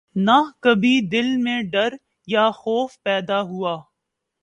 نہ کبھی دل میں ڈر یا خوف پیدا ہوا